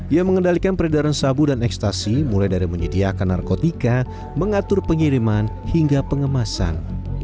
ia mengendalikan peredaran sabu dan ekstasi mulai dari menyediakan narkotika mengatur pengiriman hingga pengemasan